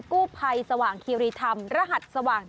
กู้ภัยสว่างคีรีธรรมรหัสสว่าง